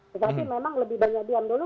tetapi memang lebih banyak diam dulu